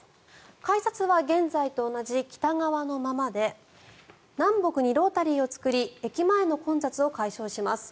改札は現在と同じ北側のままで南北にロータリーを作り駅前の混雑を解消します。